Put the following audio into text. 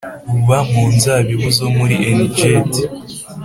Buba mu nzabibu zo muri Enigedi.